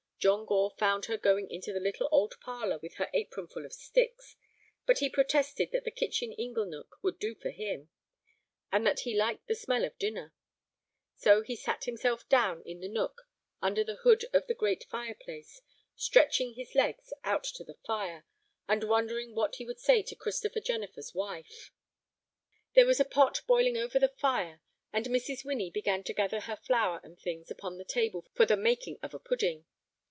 John Gore found her going into the little old parlor with an apron full of sticks, but he protested that the kitchen ingle nook would do for him, and that he liked the smell of dinner. So he sat himself down in the nook under the hood of the great fireplace, stretching his legs out to the fire, and wondering what he would say to Christopher Jennifer's wife. There was a pot boiling over the fire, and Mrs. Winnie began to gather her flour and things upon the table for the making of a pudding.